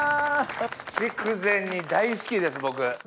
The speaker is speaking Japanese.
筑前煮大好きです僕。